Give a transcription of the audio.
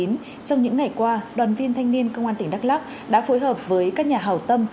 trong những ngày qua đoàn viên thanh niên công an tỉnh đắk lắc đã phối hợp với các nhà hào tâm